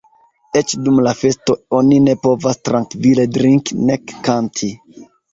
Eĉ dum la festo oni ne povas trankvile drinki, nek kanti.